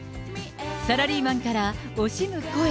サラリーマンから惜しむ声。